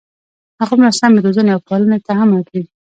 هغومره سمې روزنې او پالنې ته هم اړ دي.